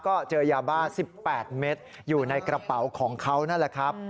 ก็เจอยาบ้า๑๘เม็ดอยู่ในกระเป๋าของเขานั่นแหละครับ